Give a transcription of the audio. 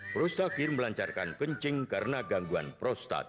prostakir melancarkan kencing karena gangguan prostat